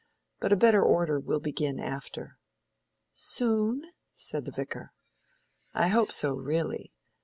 "But a better order will begin after." "Soon?" said the Vicar. "I hope so, really.